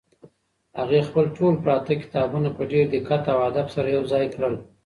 هغې خپل ټول پراته کتابونه په ډېر دقت او ادب سره یو ځای کړل.